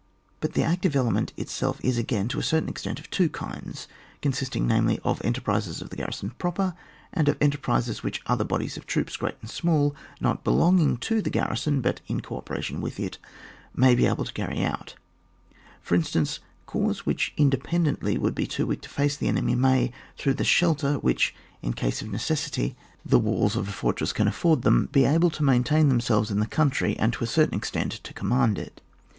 But the active element itself is again, to a certain extent, of two kinds, consisting namely of enterprises of the garrison proper, and of enter prises which other bodies of troops, great and smaU, not belonging to the garrison but in co operation with it, may be able to carry out. For instance, corps which independently would be too weak to face the enemy, may, through the shelter which, in case of necessity, the walls of a 100 ON WAR. [book n. fortress afiPord them, be able to maintain themselves in the country, and to a cer tain extent to command it.